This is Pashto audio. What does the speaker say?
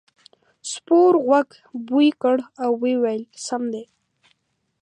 سپور غوږ بوی کړ او وویل سم دی.